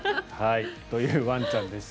というワンちゃんでした。